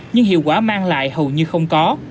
nhưng hiệu quả mang lại hầu như không có